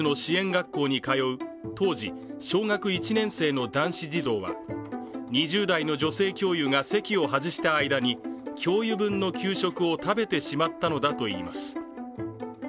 学校に通う当時小学１年生の男子児童は２０代の女性教諭が席を外した間に教諭分の給食を食べてしまったのだといいます